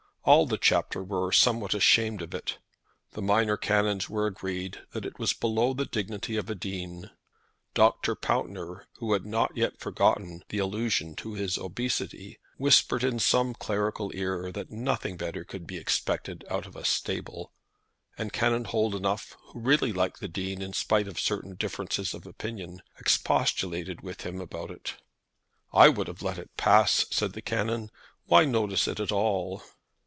All the Chapter were somewhat ashamed of it. The Minor Canons were agreed that it was below the dignity of a dean. Dr. Pountner, who had not yet forgotten the allusion to his obesity, whispered in some clerical ear that nothing better could be expected out of a stable; and Canon Holdenough, who really liked the Dean in spite of certain differences of opinion, expostulated with him about it. "I would have let it pass," said the Canon. "Why notice it at all?"